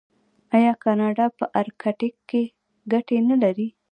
آیا کاناډا په ارکټیک کې ګټې نلري؟